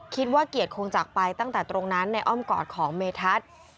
คิดว่าเกียรติคงจากไปตั้งแต่ตรงนั้นในอ้อมกอดของเมทัศน์